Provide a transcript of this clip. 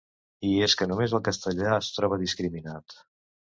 I és que només el castellà es troba discriminat!